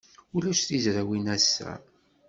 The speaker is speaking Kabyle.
Ulac tizrawin ass-a.